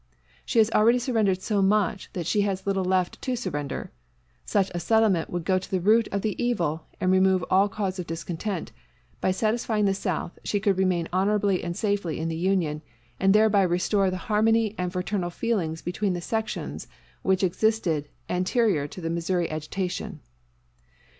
She has already surrendered so much that she has little left to surrender. Such a settlement would go to the root of the evil and remove all cause of discontent; by satisfying the South, she could remain honorably and safely in the Union, and thereby restore the harmony and fraternal feelings between the sections which existed anterior to the Missouri agitation.